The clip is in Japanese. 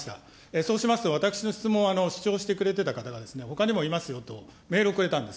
そうしますと、私の質問を主張してくれてた方がほかにもいますよと、メールをくれたんです。